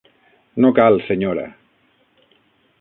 No cal, senyora.